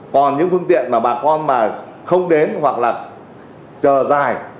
còn những phương tiện mà bà con mà không đến hoặc là chờ dài